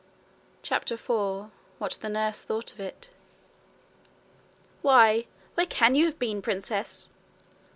CHAPTER 4 What the Nurse Thought of It 'Why, where can you have been, princess?'